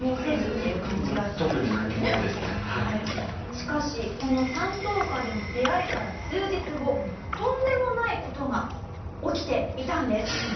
しかしこの山頭火での出会いから数日後とんでもない事が起きていたんです。